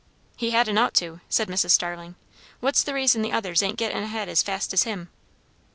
"He hadn't ought to!" said Mrs. Starling. "What's the reason the others ain't gettin' ahead as fast as him?"